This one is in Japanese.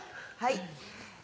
はい。